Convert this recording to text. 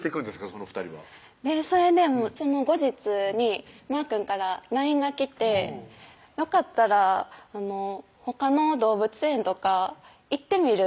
その２人はそれでその後日にまーくんからＬＩＮＥが来て「よかったらほかの動物園とか行ってみる？」